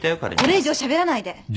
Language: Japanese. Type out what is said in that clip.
これ以上しゃべらないで！